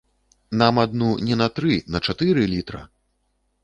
Нам адну не на тры, на чатыры літра!